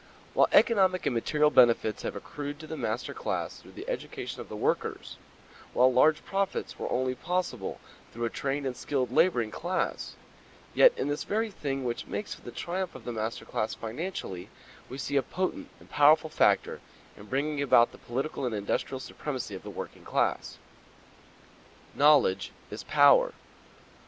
While economic and material benefits have accrued to the master class through the education of the workers; while large profits were only possible through a trained and skilled laboring class, yet in this very thing which makes for the triumph of the master class financially, we see a potent and powerful factor in bringing about the political and industrial supremacy of the working class. Knowledge is power.